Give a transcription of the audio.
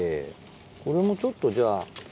これもちょっとじゃあ。